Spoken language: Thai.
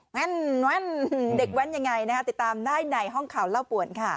แว่นเด็กแว้นยังไงนะคะติดตามได้ในห้องข่าวเล่าป่วนค่ะ